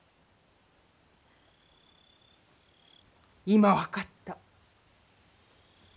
今分かった。